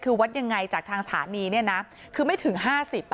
คือวัดยังไงจากทางสถานีเนี่ยนะคือไม่ถึง๕๐อ่ะ